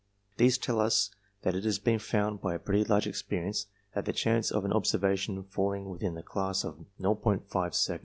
These tell us that it has been found by a pretty large experience, that the chance of an observation falling within the class of 0*5 sec.